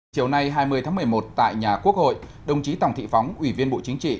chiều nay hai mươi tháng một mươi một tại nhà quốc hội đồng chí tòng thị phóng ủy viên bộ chính trị